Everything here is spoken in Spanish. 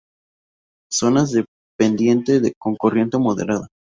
Zonas de pendiente con corriente moderada.